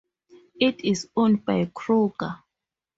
It is owned by Kroger.